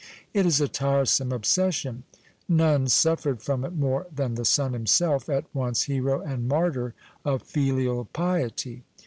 It is a tiresome obsession. None suffered from it more than the son himself, at once hero and martyr f)f filial piety.